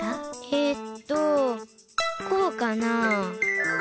えっとこうかな？